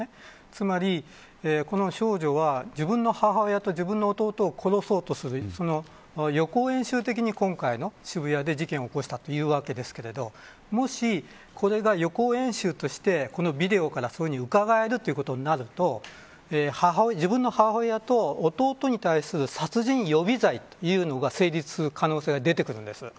つまり、この少女は自分の母親と弟を殺そうとするその予行練習的に今回の渋谷で事件起こしたということですけどもしこれが予行演習としてこのビデオからうかがえるというふうになると自分の母親と弟に対する殺人予備罪というのが成立する可能性が出てきます。